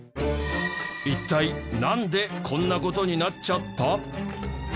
一体なんでこんな事になっちゃった？